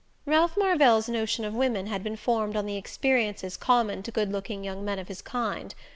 Ralph Marvell's notion of women had been formed on the experiences common to good looking young men of his kind.